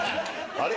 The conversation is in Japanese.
あれ？